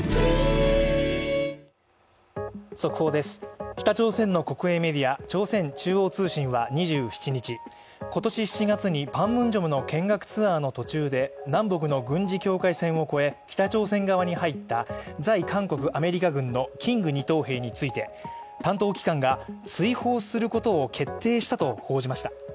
速報です、北朝鮮の国営メディア、朝鮮中央通信は２７日、今年７月に板門店の見学ツアーの途中で南北の軍事境界線を越え北朝鮮側に入った在韓国アメリカ軍のキング２等兵について担当機関が追放することを決定したと報じました。